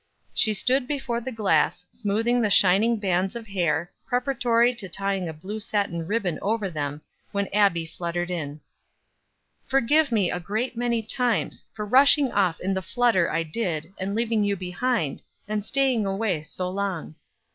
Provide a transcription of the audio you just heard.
She stood before the glass smoothing the shining bands of hair, preparatory to tying a blue satin ribbon over them, when Abbie fluttered in. "Forgive me, a great many times, for rushing off in the flutter I did, and leaving you behind, and staying away so long.